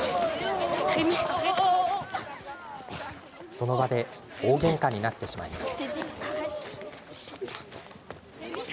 その場で大げんかになってしまいます。